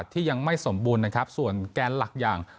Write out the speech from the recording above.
ที่ยังไม่สมบูรณ์นะครับส่วนแกนหลักอย่าง